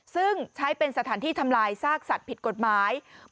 ซึ่งใช้เป็นสถานที่ทำลายซากสัตว์ผิดกฎหมาย